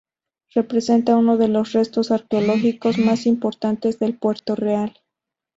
Representa uno de los restos arqueológicos más importantes de Puerto Real.